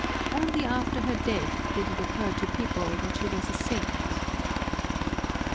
Only after her death did it occur to people that she was a saint.